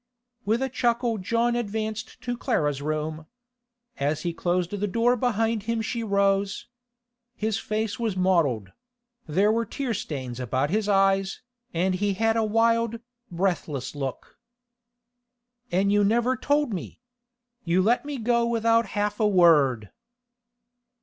With a chuckle John advanced to Clara's room. As he closed the door behind him she rose. His face was mottled; there were tear stains about his eyes, and he had a wild, breathless look. 'An' you never told me! You let me go without half a word!